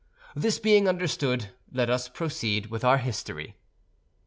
This being understood, let us proceed with our history.